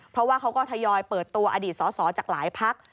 เพราะว่าเขาก็ทยอยเปิดตัวอดีตสอสอจากหลายพัก